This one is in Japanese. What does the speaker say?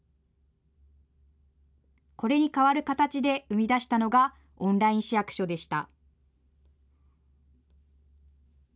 これに代わる形で生み出したのがオンライン市役所でした。